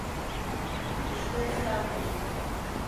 İşte sen busun.